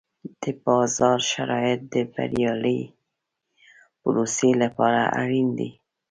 د بازار شرایط د بریالۍ پروسې لپاره اړین دي.